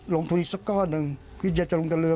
ลงถึงอีกสักก้อนหนึ่งอยากจะลงเรือ